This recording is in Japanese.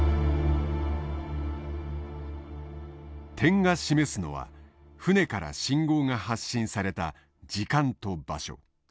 点が示すのは船から信号が発信された時間と場所。